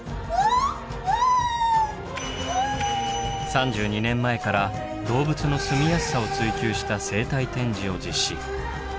３２年前から動物のすみやすさを追求した生態展示を実施。